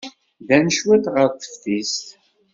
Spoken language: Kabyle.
Ddant cwiṭ deg teftist.